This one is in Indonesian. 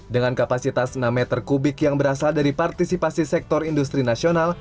dengan kapasitas enam meter kubik yang berasal dari partisipasi sektor industri nasional